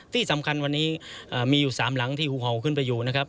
ที่สำคัญวันนี้มีอยู่๓หลังที่หูเห่าขึ้นไปอยู่นะครับ